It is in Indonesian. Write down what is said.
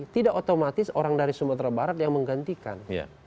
tidak otomatis orang dari sumatera barat yang menggantikan